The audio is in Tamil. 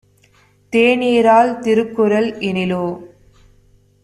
தேனிறால் திருக்குறள் எனிலோ